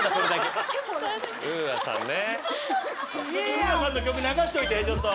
ＵＡさんの曲流しといてちょっと。